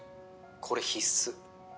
これ必須